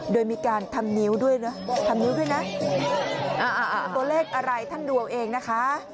โดยมีการทำนิ้วด้วยนะทำนิ้วด้วยนะตัวเลขอะไรท่านดูเอาเองนะคะ